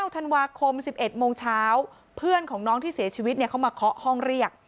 ธันวาคม๑๑โมงเช้าเพื่อนของน้องที่เสียชีวิตเขามาเคาะห้องเรียก